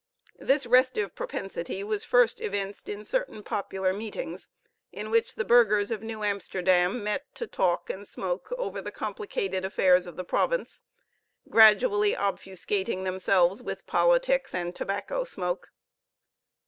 This restive propensity was first evinced in certain popular meetings, in which the burghers of New Amsterdam met to talk and smoke over the complicated affairs of the province, gradually obfuscating themselves with politics and tobacco smoke.